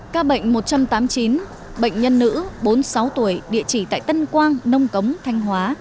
ca bệnh một trăm tám mươi chín bệnh nhân nữ bốn mươi sáu tuổi địa chỉ tại tân quang nông cống thanh hóa